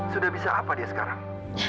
sudah bisa apa dia sekarang